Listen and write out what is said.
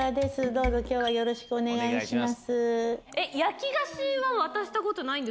どうぞ今日はよろしくお願いします。